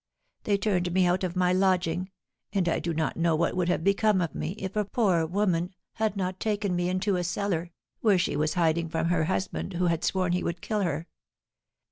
They turned me out of my lodging; and I do not know what would have become of me if a poor woman had not taken me into a cellar, where she was hiding from her husband, who had sworn he would kill her.